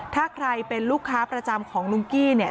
ถ้าใครเป็นลูกค้าประจำของลุงกี้เนี่ย